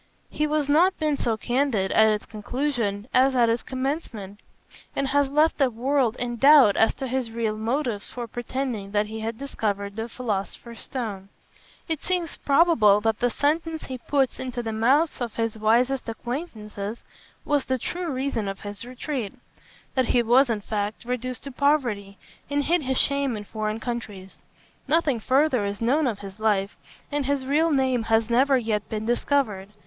He has not been so candid at its conclusion as at its commencement, and has left the world in doubt as to his real motives for pretending that he had discovered the philosopher's stone. It seems probable that the sentence he puts into the mouths of his wisest acquaintances was the true reason of his retreat; that he was, in fact, reduced to poverty, and hid his shame in foreign countries. Nothing further is known of his life, and his real name has never yet been discovered.